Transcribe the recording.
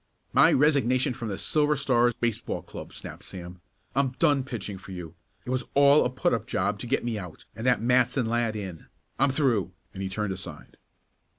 "My resignation from the Silver Star Baseball Club," snapped Sam. "I'm done pitching for you. It was all a put up job to get me out, and that Matson lad in. I'm through," and he turned aside.